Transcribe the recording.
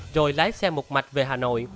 rồi lái xe một mạch về hà nội